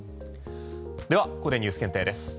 ではここでニュース検定です。